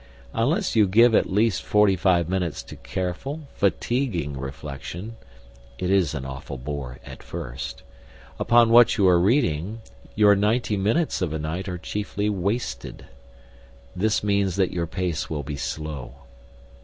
Unless you give at least forty five minutes to careful, fatiguing reflection (it is an awful bore at first) upon what you are reading, your ninety minutes of a night are chiefly wasted. This means that your pace will be slow.